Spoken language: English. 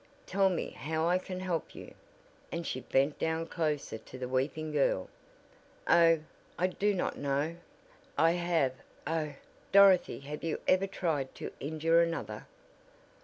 "Tell me how I can help you," and she bent down closer to the weeping girl. "Oh, I do not know. I have Oh, Dorothy have you ever tried to injure another?"